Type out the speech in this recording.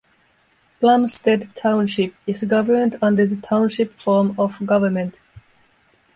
Plumsted Township is governed under the Township form of government.